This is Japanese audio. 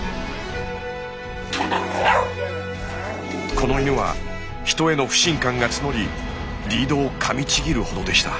この犬は人への不信感が募りリードをかみちぎるほどでした。